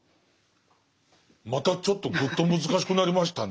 またちょっとぐっと難しくなりましたね